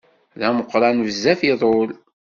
D ameqqran bezzaf iḍul.